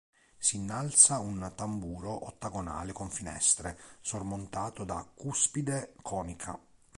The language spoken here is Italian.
Si innalza un tamburo ottagonale con finestre, sormontato da cuspide conica.